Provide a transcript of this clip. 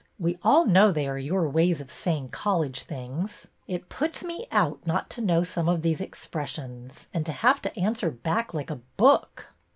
We all know they are your ways of saying college things. It puts me out not to know some of these expressions, and to have to answer back like a book."